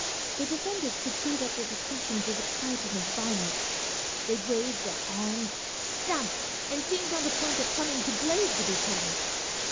The defenders could see that the discussion was excited and violent; they waved their arms, stamped, and seemed on the point of coming to blows with each other.